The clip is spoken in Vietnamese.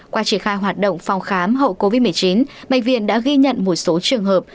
qua triển khai hoạt động phòng khám hậu covid một mươi chín bệnh viện đã ghi nhận một số trường hợp